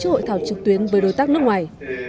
bkmec đã tổ chức hội thảo trực tuyến với đối tác nước ngoài